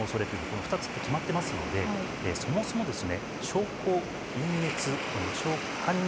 この２つと決まっていますのでそもそも証拠隠滅。